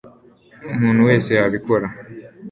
Umuntu wese yabikora